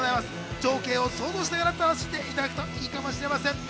情景を想像しながら楽しんでいただくとよいかもしれません。